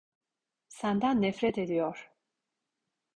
Senden nefret ediyor.